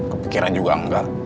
kepikiran juga enggak